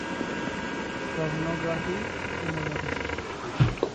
Pornography অনুমোদিত।